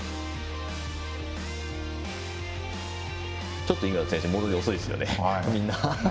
ちょっとイングランドの選手戻り遅いですよね、みんな。